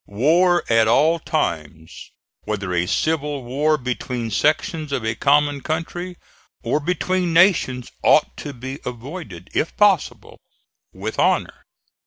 War at all times, whether a civil war between sections of a common country or between nations, ought to be avoided, if possible with honor.